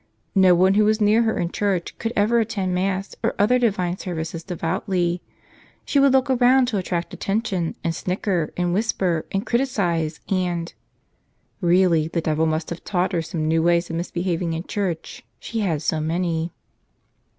No one who was near her in church could ever attend Mass or other divine services devoutly. She would look around to attract attention and snicker and whisper and criticize and — Really, the devil must have taught her some new ways of misbehaving in church ; she had so many.